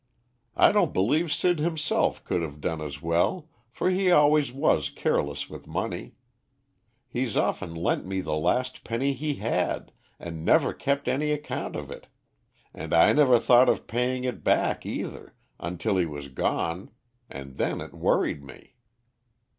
I don't believe Sid himself could have done as well, for he always was careless with money he's often lent me the last penny he had, and never kept any account of it; and I never thought of paying it back, either, until he was gone, and then it worried me."